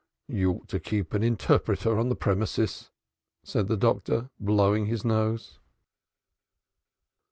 "You ought to keep an interpreter on the premises," said the doctor, blowing his nose.